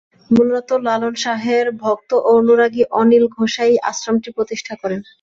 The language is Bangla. মূলত লালন শাহের ভক্ত ও অনুরাগী অনিল ঘোষাই আশ্রমটি প্রতিষ্ঠা করেন।